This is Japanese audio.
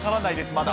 まだ。